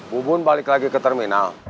bu bun balik lagi ke terminal